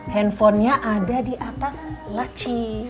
handphone nya ada di atas laci